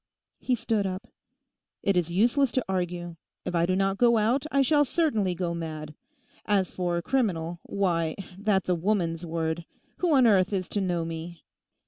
He stood up. 'It is useless to argue. If I do not go out, I shall certainly go mad. As for criminal—why, that's a woman's word. Who on earth is to know me?